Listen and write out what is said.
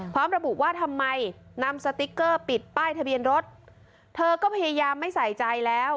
พร้อมระบุว่าทำไมนำสติ๊กเกอร์ปิดป้ายทะเบียนรถเธอก็พยายามไม่ใส่ใจแล้ว